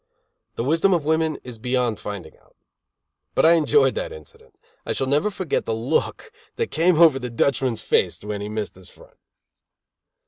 The wisdom of women is beyond finding out. But I enjoyed that incident. I shall never forget the look that came over the Dutchman's face when he missed his front.